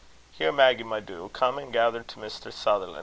Here, Maggy, my doo, come an' gather to Mr. Sutherlan'.